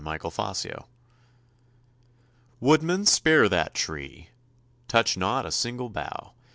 [See Notes] Woodman, spare that tree! Touch not a single bough!